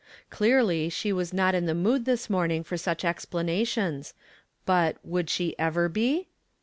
Clearly she was not in the mood this morning for such explanations, but — would she ever be